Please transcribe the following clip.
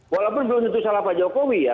walaupun belum tentu salah pak jokowi ya